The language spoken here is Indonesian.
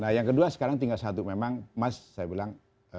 nah yang kedua sekarang tinggal satu memang mas saya bilang